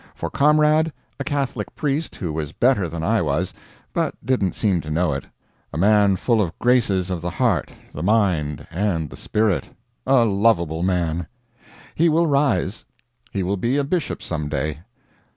For comrade, a Catholic priest who was better than I was, but didn't seem to know it a man full of graces of the heart, the mind, and the spirit; a lovable man. He will rise. He will be a bishop some day.